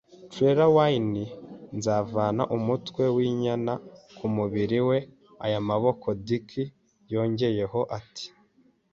Trelawney. Nzavana umutwe w'inyana ku mubiri we aya maboko, Dick! ” yongeyeho ati: